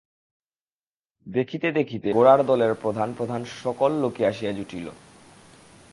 দেখিতে দেখিতে গোরার দলের প্রধান প্রধান সকল লোকই আসিয়া জুটিল।